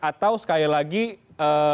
atau sekali lagi ee